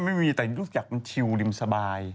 ไม่มียังไงอยากชิวริมสบาย